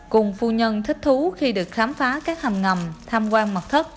cùng phu nhân thích thú khi được khám phá các hầm ngầm tham quan mặt thất